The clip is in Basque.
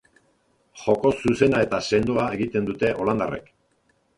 Joko zuzena eta sendoa egiten dute holandarrek.